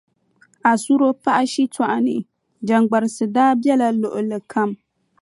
Asuro paɣa shitɔɣu ni, jaŋgbarisi daa bela luɣili kam.